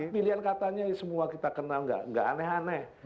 pilihan katanya semua kita kenal nggak aneh aneh